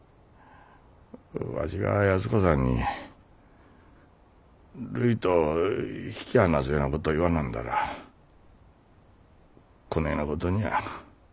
わしが安子さんにるいと引き離すようなこと言わなんだらこねえなことにゃあ。